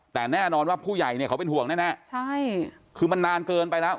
แต่แน่นอนว่าผู้ใหญ่เนี่ยเขาเป็นห่วงแน่ใช่คือมันนานเกินไปแล้ว